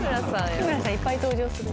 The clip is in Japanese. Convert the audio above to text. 日村さんいっぱい登場する。